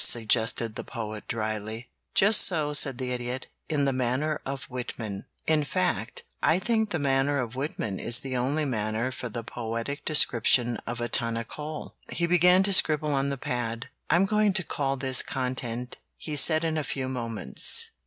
suggested the Poet, dryly. "Just so," said the Idiot. "In the manner of Whitman; in fact, I think the manner of Whitman is the only manner for the poetic description of a ton of coal." He began to scribble on the pad. "I'm going to call this 'Content,'" he said in a few moments.